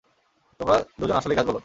তোমরা দুজন আসলেই গাছ-বলদ!